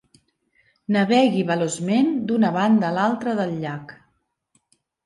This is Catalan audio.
Navegui veloçment d'una banda a l'altra del llac.